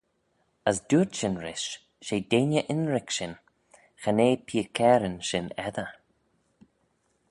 As dooyrt shin rish, She deiney ynrick shin, cha nee peeikearyn shin eddyr.